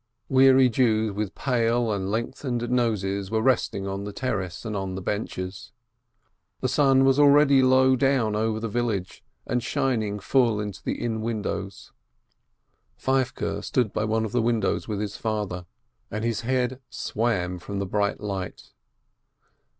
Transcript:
Weary Jews with pale and length ened noses were resting on the terrace and the benches. The sun was already low down over the village and shining full into the inn windows. Feivke stood by one of the windows with his father, and his head swam from the bright light.